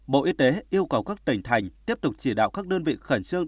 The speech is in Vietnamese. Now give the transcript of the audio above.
bộ y tế yêu cầu các tỉnh thành tiếp tục chỉ đạo các đơn vị khẩn trương